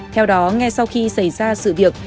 theo đó ngay sau khi xảy ra sự việc